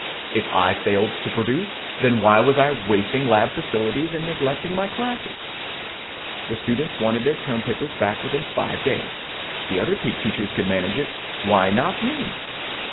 If I failed to produce, then why was I wasting lab facilities and neglecting my classes? The students wanted their term papers back within five days; the other teachers could manage it, why not me?